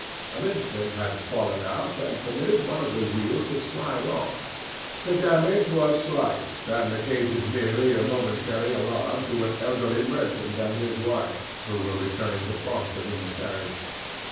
A linch pin had fallen out and permitted one of the wheels to slide off. The damage was slight and occasioned merely a momentary alarm to an elderly merchant and his wife, who were returning to Boston in the carriage.